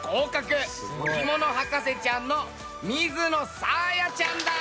着物博士ちゃんの水野さあやちゃんだ！